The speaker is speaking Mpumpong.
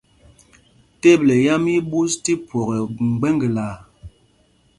Teble yám í í ɓūs tí phwɔk ɛ mgbeŋglaa.